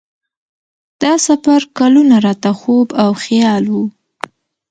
دا سفر کلونه راته خوب او خیال و.